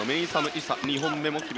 ・イサ